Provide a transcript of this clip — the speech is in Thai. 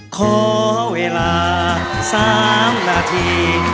ขอเวลา๓นาที